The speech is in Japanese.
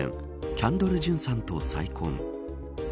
キャンドル・ジュンさんと再婚。